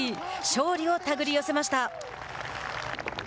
勝利を手繰り寄せました。